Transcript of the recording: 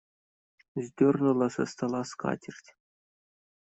Сдернула со стола скатерть.